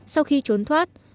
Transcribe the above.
sau khi trốn thoát